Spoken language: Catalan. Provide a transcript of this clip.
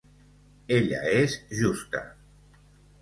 Ella és justa.